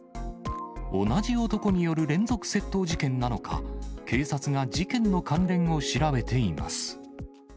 同じ男による連続窃盗事件なのか、警察が事件の関連を調べています。